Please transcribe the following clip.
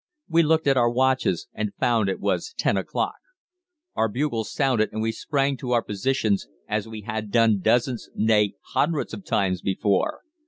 We looked at our watches, and found it was ten o'clock. Our bugles sounded and we sprang to our positions, as we had done dozens, nay, hundreds of times before.